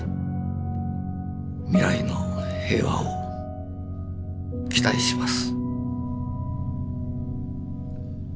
未来の平和を期待します」。